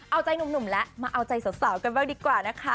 เอาใจหนุ่มแล้วมาเอาใจสาวกันบ้างดีกว่านะคะ